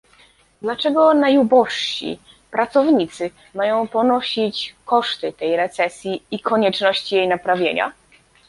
Dlaczego najubożsi, pracownicy, mają ponosić koszty tej recesji i konieczności jej naprawienia?